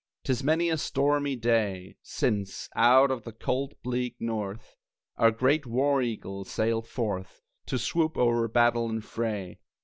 'Tis many a stormy day Since, out of the cold bleak north, Our great war eagle sailed forth To swoop o'er battle and fray.